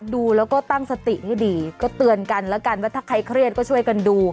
ดูแล้วก็ตั้งสติให้ดีก็เตือนกันแล้วกันว่าถ้าใครเครียดก็ช่วยกันดู